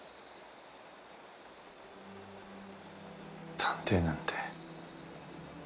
探偵なんて。